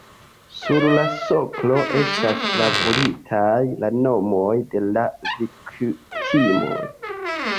Sur la soklo estas gravuritaj la nomoj de la viktimoj.